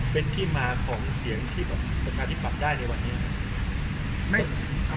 เป็นที่มาของเสียงที่ประชาธิปัตย์ได้ในวันนี้ครับ